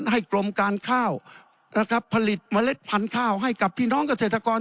กรมการข้าวนะครับผลิตเมล็ดพันธุ์ข้าวให้กับพี่น้องเกษตรกร